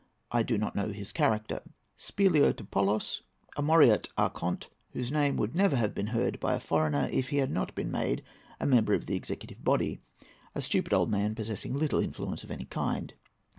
I do not know his character. SPELIOTOPOLOS.—A Moreot Archonte, whose name would never have been heard by a foreigner, if he had not been made a member of the executive body; a stupid old man, possessing little influence of any kind.